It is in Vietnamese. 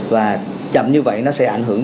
và chậm như vậy nó sẽ ảnh hưởng